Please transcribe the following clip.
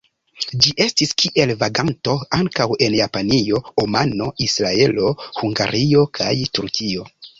Ĝi estis kiel vaganto ankaŭ en Japanio, Omano, Israelo, Hungario kaj Turkio.